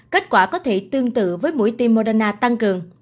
kết quả có thể tương tự với mũi tim moderna tăng cường